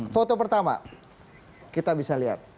foto pertama kita bisa lihat